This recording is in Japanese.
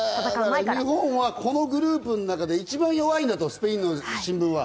日本はこのグループ中で一番弱いんだと、スペインの新聞は。